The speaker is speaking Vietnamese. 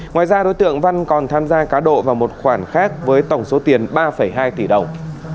ngoài ra đối tượng văn còn tham gia cá độ vào một khoản khác với tổng số tiền ba hai tỷ đồng